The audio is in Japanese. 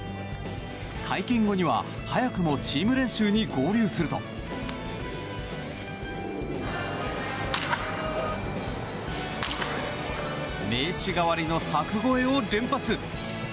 会見後には早くもチーム練習に合流すると名刺代わりの柵越えを連発。